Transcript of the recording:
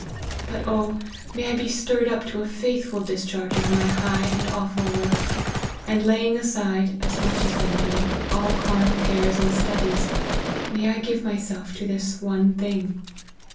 But O, may I be stirred up to a faithful discharge of my high and awful work ; and, laying aside, as much as may be, all carnal cares and studies, may I give myself to this ' one thing.'